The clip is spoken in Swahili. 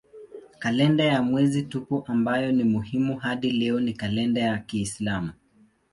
Kalenda ya mwezi tupu ambayo ni muhimu hadi leo ni kalenda ya kiislamu.